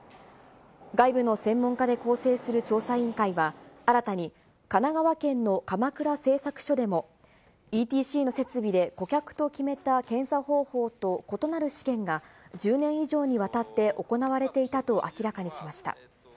外部の専門家で構成する調査委員会は、新たに神奈川県の鎌倉製作所でもＥＴＣの設備で顧客と決めた検査方法と異なる試験が１０年以上にわたって行われていたと明らかにしました。